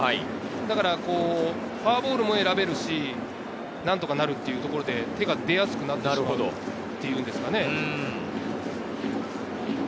だからフォアボールも選べるし、なんとかなるっていうところで手が出やすくなるっていうんですかね。